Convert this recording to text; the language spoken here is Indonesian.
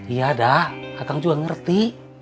iya dah akang juga ngerti